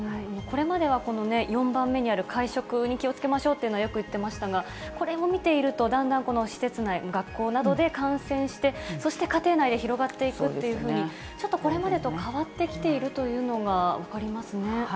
これまでは４番目にある会食に気をつけましょうというのはよく言ってましたが、これを見ていると、だんだん施設内、学校などで感染して、そして家庭内で広がっていくというふうに、ちょっとこれまでと変わってきているというのが分かりますね。